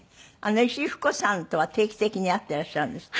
石井ふく子さんとは定期的に会ってらっしゃるんですって？